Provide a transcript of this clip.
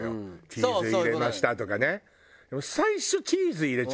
チーズ入れましたとかね。